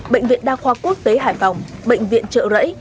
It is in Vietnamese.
bệnh viện đa khoa quốc tế hải phòng bệnh viện trợ rẫy